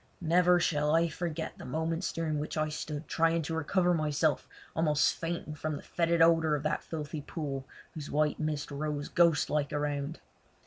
Never shall I forget the moments during which I stood trying to recover myself almost fainting from the fœtid odour of the filthy pool, whose white mist rose ghostlike around.